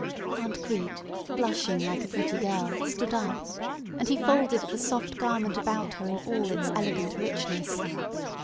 Aunt Crete, blushing like a pretty girl, stood up; and he folded the soft garment about her in all its elegant richness.